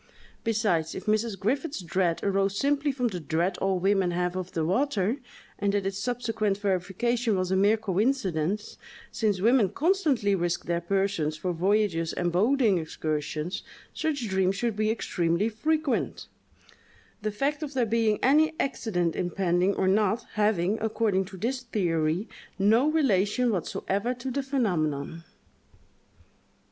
Besides, if Mrs. Griffiths's dread arose simply from "the dread all women have of the water," and that its subsequent verification was a mere coincidence, since women constantly risk their persons for voyages and boating excursions, such dreams should be extremely frequent—the fact of there being any accident impending or not, having, according to this theory, no relation whatever to the phenomenon.